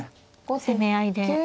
攻め合いで。